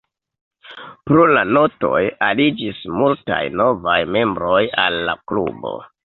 Pro la Notoj aliĝis multaj novaj membroj al la klubo.